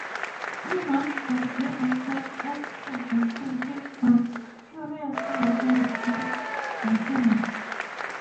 He runs from her attempts at seducing him but, curious, later returns to her.